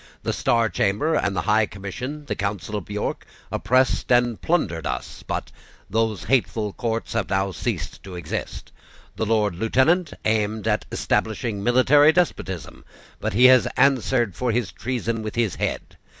The Star Chamber the High Commission, the Council of York, oppressed end plundered us; but those hateful courts have now ceased to exist. The Lord Lieutenant aimed at establishing military despotism; but he has answered for his treason with his head.